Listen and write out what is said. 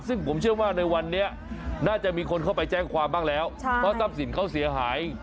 ซึ่งผมเชื่อว่าในวันนี้น่าจะมีคนเข้าไปแจ้งความบ้างแล้วเพราะทรัพย์สินเขาเสียหาย